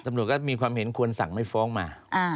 ตำรวจก็มีความเห็นควรสั่งไม่ฟ้องมา